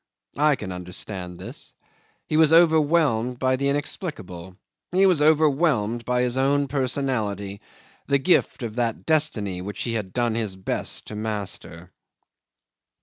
I can understand this. He was overwhelmed by the inexplicable; he was overwhelmed by his own personality the gift of that destiny which he had done his best to master.